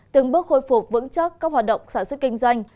từng bước khôi phục vững chắc các hoạt động sản xuất kinh doanh